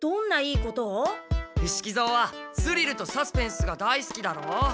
伏木蔵はスリルとサスペンスが大すきだろう？